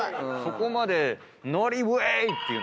そこまで。